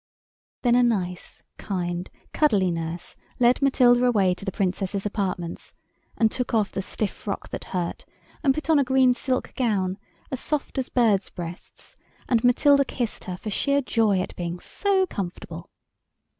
Then a nice, kind, cuddly nurse led Matilda away to the Princess's apartments, and took off the stiff frock that hurt, and put on a green silk gown, as soft as birds' breasts, and Matilda kissed her for sheer joy at being so comfortable.